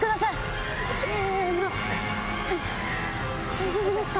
大丈夫ですか？